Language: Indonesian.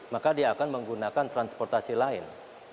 maka dia akan menggunakan transportasi lain